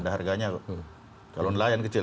kalau nelayan kecil